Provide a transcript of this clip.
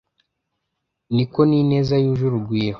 Ni ko n ineza yuje urugwiro